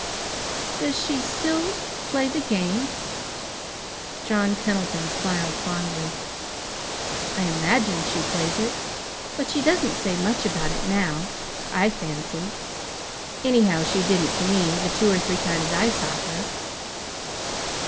"Does she still play the game?" John Pendleton smiled fondly. "I imagine she plays it, but she doesn't say much about it now, I fancy. Anyhow, she didn't to me, the two or three times I saw her."